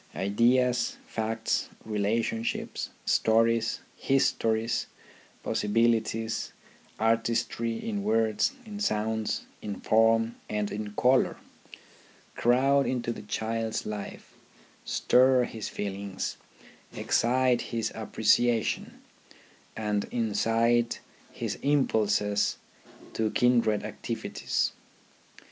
Ideas, facts, relationships, stories, histories, possibilities, artistry in words, in sounds, in form and in colour, crowd into the child's life, stir his feelings, i8 THE RHYTHM OF EDUCATION excite his appreciation, and incite his impulses to kindred activities.